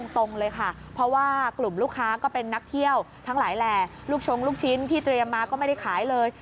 ซึ่งที่เตรียมมาก็ไม่ได้ขายเลย